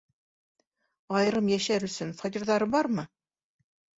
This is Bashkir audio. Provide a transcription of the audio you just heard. Айырым йәшәр өсөн фатирҙары бармы?